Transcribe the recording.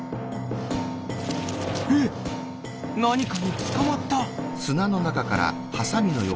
えっなにかにつかまった！